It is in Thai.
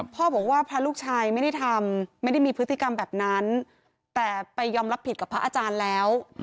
พ่อบอกว่าพระลูกชายไม่ได้ทำไม่ได้มีพฤติกรรมแบบนั้นแต่ไปยอมรับผิดกับพระอาจารย์แล้ว